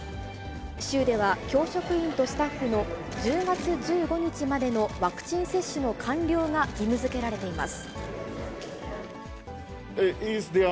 州では教職員とスタッフの１０月１５日までのワクチン接種の完了が義務づけられています。